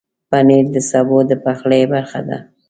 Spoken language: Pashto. پنېر د سبو د پخلي برخه ده.